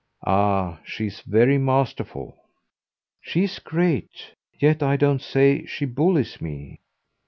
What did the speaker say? "Ah she's very masterful." "She's great. Yet I don't say she bullies me."